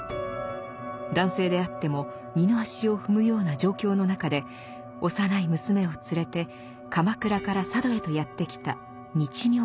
男性であっても二の足を踏むような状況の中で幼い娘を連れて鎌倉から佐渡へとやって来た日妙尼。